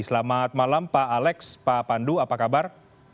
selamat malam pak alex pak pandu apa kabar